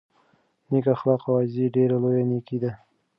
نېک اخلاق او عاجزي ډېره لویه نېکي ده.